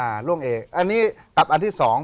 ล่วงเองอันนี้ตัดอันที่สอง